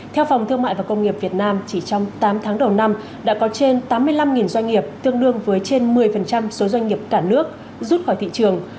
theo phòng thương mại và công nghiệp việt nam chỉ trong tám tháng đầu năm đã có trên tám mươi năm doanh nghiệp tương đương với trên một mươi số doanh nghiệp cả nước rút khỏi thị trường